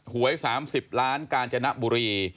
หวย๓๐ล้านกาญจนบุรี